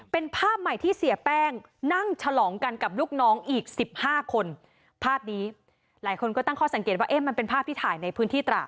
เป็นภาพใหม่ที่เสียแป้งนั่งฉลองกันกับลูกน้องอีกสิบห้าคนภาพนี้หลายคนก็ตั้งข้อสังเกตว่าเอ๊ะมันเป็นภาพที่ถ่ายในพื้นที่ตระ